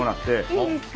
いいんですか？